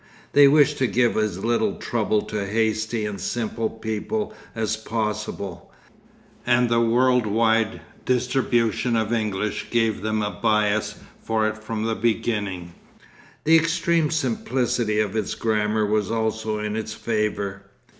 They wished to give as little trouble to hasty and simple people as possible, and the world wide distribution of English gave them a bias for it from the beginning. The extreme simplicity of its grammar was also in its favour.